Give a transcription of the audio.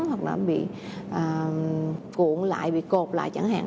hoặc là bị cuộn lại bị cột lại chẳng hạn